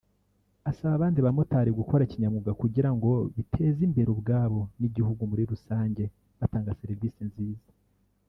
" Asaba abandi bamotari gukora kinyamwuga kugira ngo biteze imbere ubwabo n’igihugu muri rusange batanga serivisi nziza